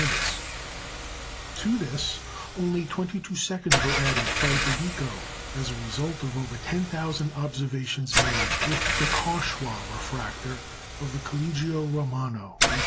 To this only twenty two seconds were added by De Vico, as the result of over 10,000 observations made with the Cauchoix refractor of the Collegio Romano, 1839 41.